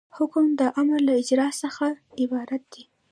حکم د امر له اجرا څخه عبارت دی.